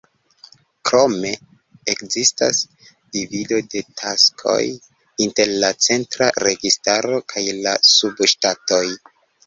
Krome, ekzistas divido de taskoj inter la centra registaro kaj la subŝtatoj.